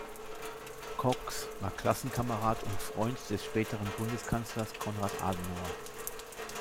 Kocks, war Klassenkamerad und Freund des späteren Bundeskanzlers Konrad Adenauer.